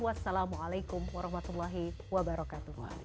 wassalamualaikum warahmatullahi wabarakatuh